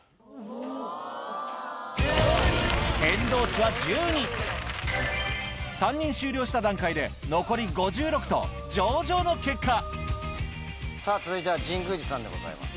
変動値は１２３人終了した段階で残り５６と上々の結果続いては神宮寺さんでございます。